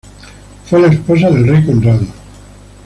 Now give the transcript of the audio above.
Fue la esposa del rey Conrado.